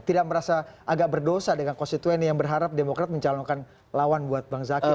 tidak merasa agak berdosa dengan konstituen yang berharap demokrat mencalonkan lawan buat bang zaky